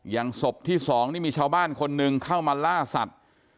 ศพที่๒นี่มีชาวบ้านคนหนึ่งเข้ามาล่าสัตว์